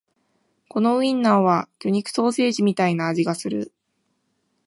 このウインナーは魚肉ソーセージみたいな味がする